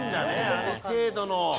ある程度の。